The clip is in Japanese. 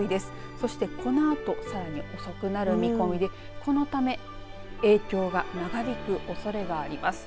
そしてこのあとさらに遅くなる見込みでこのため影響が長引くおそれがあります。